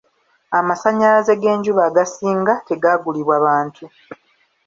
Amasannyalaze g'enjuba agasinga tegaagulibwa bantu.